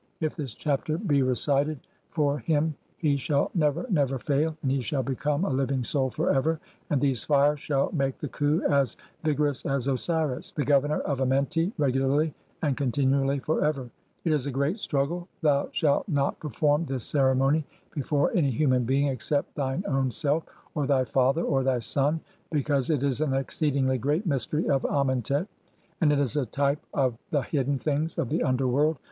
IF THIS CHAPTER BE RECITED 15 226 THE CHAPTERS OF COMING FORTH BY DAY. (29) FOR HIM HE SHALL NEVER, NEVER FAIL, AND HE SHALL BECOME A LIVING SOUL FOR EVER, AND THESE FIRES SHALL MAKE THE KHU AS VI GOROUS AS OSIRIS, (3o) THE GOVERNOR OF AMENTI, REGULARLY AND CON TINUALLY FOR EVER. IT IS A GREAT STRUGGLE. THOU SHALT NOT PER FORM THIS CEREMONY BEFORE ANY HUMAN BEING EXCEPT THINE OWN SELF, OR THY FATHER, (3i) OR THY SON, BECAUSE IT IS AN EXCEEDINGLY GREAT MYSTERY OF AMENTET, AND IS A TYPE OF THE HIDDEN THINGS OF THE UNDERWORLD.